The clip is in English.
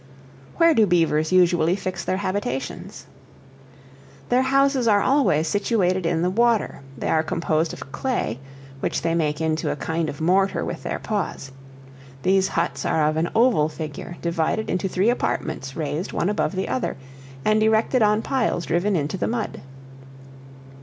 Where do Beavers usually fix their habitations? Their houses are always situated in the water; they are composed of clay, which they make into a kind of mortar with their paws: these huts are of an oval figure, divided into three apartments raised one above the other, and erected on piles driven into the mud.